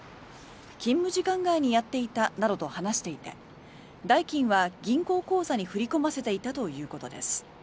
勤務時間外にやっていたなどと話していて代金は銀行口座に振り込ませていたということです。